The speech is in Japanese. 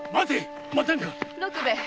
六兵衛。